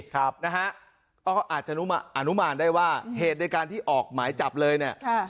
นะฮะก็อาจจะอนุมานได้ว่าเหตุในการที่ออกหมายจับเลยเนี่ย